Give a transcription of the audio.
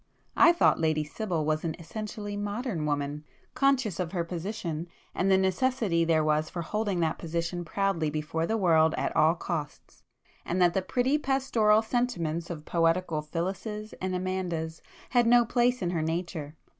I thought Lady Sibyl was an essentially modern woman, conscious of her position, and the necessity there was for holding that position proudly before the world at all costs,—and that the pretty pastoral sentiments of poetical Phyllises and Amandas had no place in her nature.